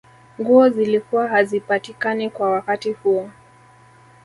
nguo zilikuwa hazipatikani kwa wakati huo